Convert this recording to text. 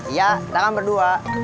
iya kita kan berdua